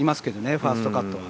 ファーストカットは。